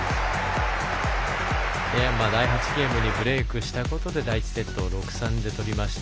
第８ゲームにブレークしたことで第１セットを６−３で取りました。